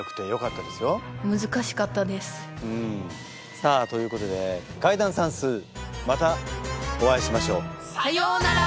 さあということで解談算数またお会いしましょう。さようなら！